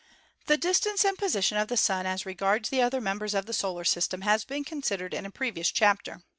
The distance and position of the Sun as regards the other members of the Solar System has been considered in a previous chapter.